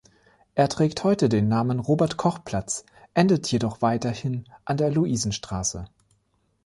Er trägt heute den Namen Robert-Koch-Platz, endet jedoch weiterhin an der Luisenstraße.